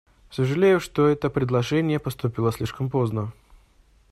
Сожалею, что это предложение поступило слишком поздно.